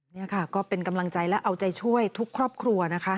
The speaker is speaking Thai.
นี่ค่ะก็เป็นกำลังใจและเอาใจช่วยทุกครอบครัวนะคะ